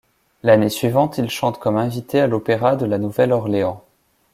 L'année suivante, il chante comme invité à l'opéra de la Nouvelle-Orléans.